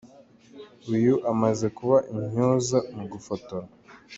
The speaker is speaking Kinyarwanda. Uyu amaze kuba intyoza mu gufotora.